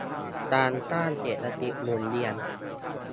การสร้างเศรษฐกิจหมุนเวียน